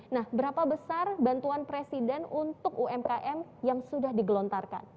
nah berapa besar bantuan presiden untuk umkm yang sudah digelontarkan